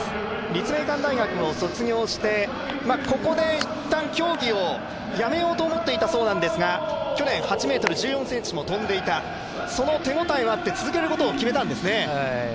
立命館大学を卒業して、ここでいったん、競技を辞めようと思っていたそうなんですが去年８ｍ１４ｃｍも跳んでいたその手応えがあって続けることを決めたんですね。